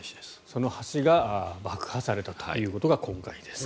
その橋が爆破されたというのが今回です。